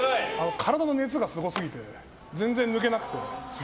体の熱がすごすぎて全然抜けなくて。